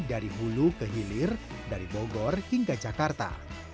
dari hulu ke hilir dari bogor hingga jakarta